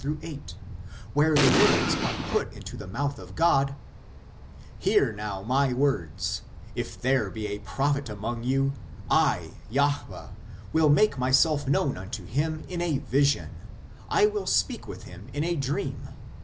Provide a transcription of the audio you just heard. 6 8, where these words are put into the mouth of God :" Hear now My words, If there be a prophet among you, I, Jahwe, will make Myself known unto him in a vision, I will speak with him in a dream.